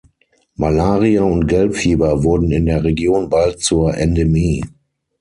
Malaria und Gelbfieber wurden in der Region bald zur Endemie.